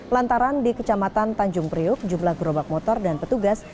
lantaran di kecamatan tanjung priuk jumlah gerobak motor dan petugas